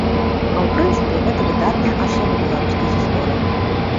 А ў прынцыпе, гэта выдатная асоба беларускай гісторыі.